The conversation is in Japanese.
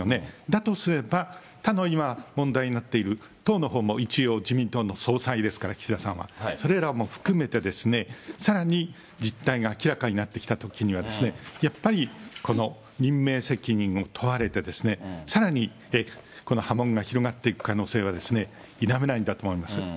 だとすれば、他の今、問題になっている、党のほうも一応、自民党の総裁ですから、岸田さんは。それらも含めて、さらに実態が明らかになってきたときには、やっぱりこの任命責任を問われて、さらに波紋が広がっていく可能性は否めないんだと思います。